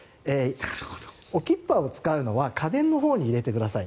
ＯＫＩＰＰＡを使うのは家電のほうに入れてください。